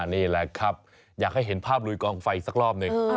นี่แหละครับอยากให้เห็นภาพลุยกองไฟสักรอบหนึ่ง